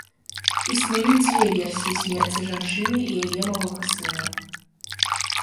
Існуюць дзве версіі смерці жанчыны і яе малога сына.